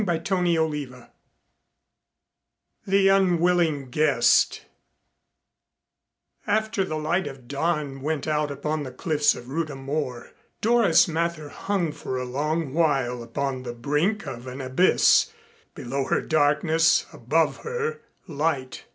CHAPTER XIII THE UNWILLING GUEST After the light of dawn went out upon the cliffs of Rhuda Mor, Doris Mather hung for a long while upon the brink of an abyss, below her darkness, above her light.